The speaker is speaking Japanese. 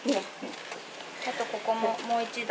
あとここももう一段。